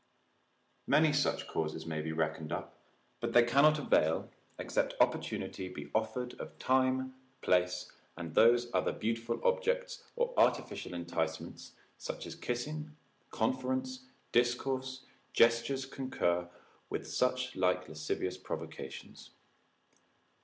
Many such causes may be reckoned up, but they cannot avail, except opportunity be offered of time, place, and those other beautiful objects, or artificial enticements, as kissing, conference, discourse, gestures concur, with such like lascivious provocations.